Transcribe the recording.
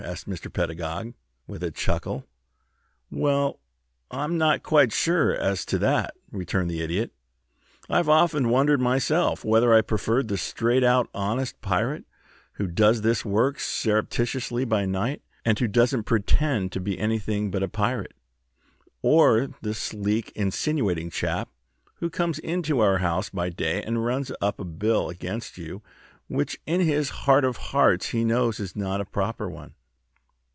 asked Mr. Pedagog, with a chuckle. "Well, I'm not quite sure as to that," returned the Idiot. "I've often wondered myself whether I preferred the straight out honest pirate, who does his work surreptitiously by night, and who doesn't pretend to be anything but a pirate, or the sleek, insinuating chap, who comes into our house by day, and runs up a bill against you which in his heart of hearts he knows is not a proper one.